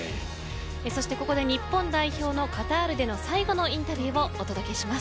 ここで日本代表のカタールでの最後のインタビューをお届けします。